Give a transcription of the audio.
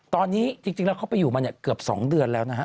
ตอนนี้จริงแล้วเข้าไปอยู่มันเกือบสองเดือนแล้ว